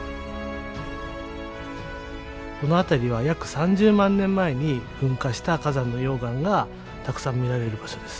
この辺りは約３０万年前に噴火した火山の溶岩がたくさん見られる場所です。